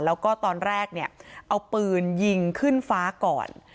แล้วก็ตอนแรกเนี่ยเอาปืนยิงขึ้นฟ้าก่อน